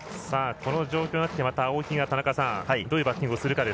この状況になって青木がどういうバッティングをするか。